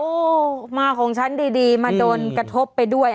โอ้โหมาของฉันดีมาโดนกระทบไปด้วย